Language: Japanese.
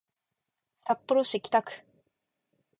札幌市北区